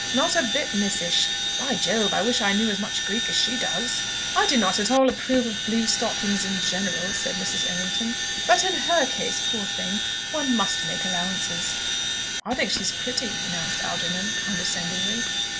Not a bit Missish. By Jove! I wish I knew as much Greek as she does!" "I do not at all approve of blue stockings in general," said Mrs. Errington; "but in her case, poor thing, one must make allowances." "I think she's pretty," announced Algernon, condescendingly.